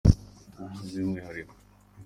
By’umwihariko